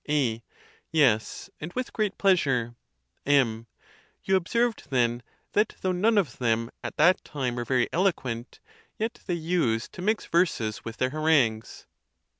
A. Yes, and with great pleasure. M. You observed, then, that though none of them at that time were very eloquent, yet they used to mix verses with their harangues.